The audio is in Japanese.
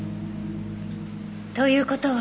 という事は。